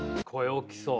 大きそう。